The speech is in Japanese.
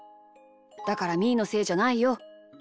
だからみーのせいじゃないよ。